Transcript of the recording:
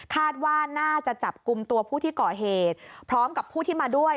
คาดว่าน่าจะจับกลุ่มตัวผู้ที่ก่อเหตุพร้อมกับผู้ที่มาด้วย